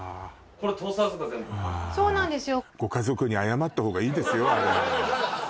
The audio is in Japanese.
そうなんですよ